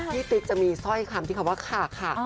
พี่ติ๊กจะมีสร้อยคำที่คำว่าขครัก